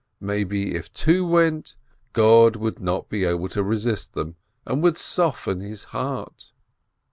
Maybe, if two went, God would not be able to resist them, and would soften His heart.